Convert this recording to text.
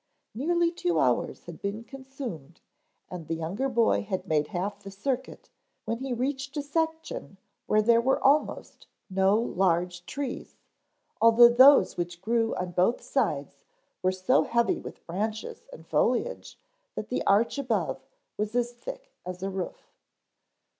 Nearly two hours had been consumed and the younger boy had made half the circuit when he reached a section where there were almost no large trees, although those which grew on both sides were so heavy with branches and foliage that the arch above was as thick as a roof.